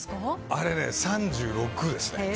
あれね、３６ですね。